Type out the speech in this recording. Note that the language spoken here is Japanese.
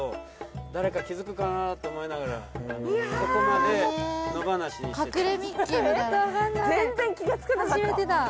誰か気付くかなと思いながらここまで野放しにしてたんです。